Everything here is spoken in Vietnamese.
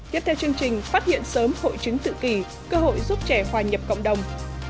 tiếp theo chương trình phát hiện sớm hội chứng tự kỷ cơ hội giúp trẻ hòa nhập cộng đồng